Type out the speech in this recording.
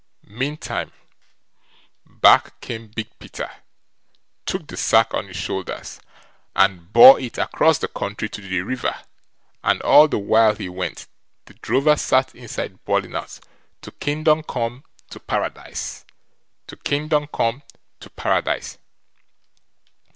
Meantime, back came Big Peter, took the sack on his shoulders, and bore it across the country to the river, and all the while he went, the drover sat inside bawling out: To Kingdom come, to Paradise. To Kingdom come, to Paradise.